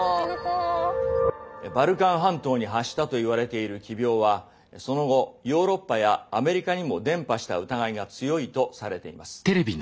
バルカン半島に発したといわれている奇病はその後ヨーロッパやアメリカにも伝播した疑いが強いとされています。